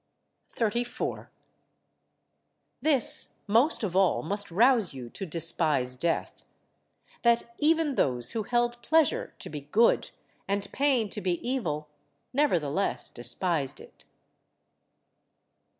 34. This most of all must rouse you to despise death: That even those who held pleasure to be good and pain to be evil nevertheless despised it.